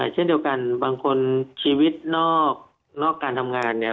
เช่นเดียวกันบางคนชีวิตนอกการทำงานเนี่ย